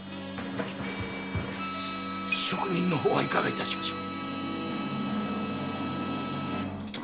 職人の方はいかが致しましょう？